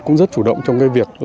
cũng rất chủ động trong cái việc